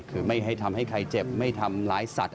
คือไม่ให้ทำให้ใครเจ็บไม่ทำร้ายสัตว